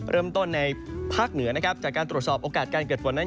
เริ่มต้นในภาคเหนือจากการตรวจสอบโอกาสเกิดฝน